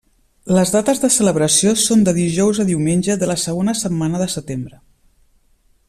Les dates de celebració són de dijous a diumenge de la segona setmana de setembre.